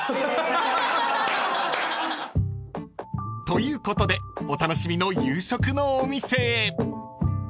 ［ということでお楽しみの夕食のお店へ］